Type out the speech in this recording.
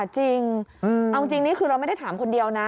จริงเอาจริงนี่คือเราไม่ได้ถามคนเดียวนะ